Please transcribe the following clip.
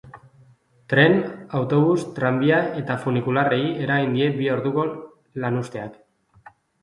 Tren, autobus, tranbia eta funikularrei eragin die bi orduko lanuzteak.